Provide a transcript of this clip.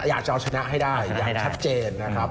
อยากจะเอาชนะให้ได้อย่างชัดเจนนะครับ